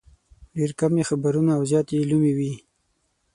ډېر کم یې خبرونه او زیات یې لومې وي.